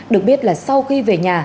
được biết là sau khi về nhà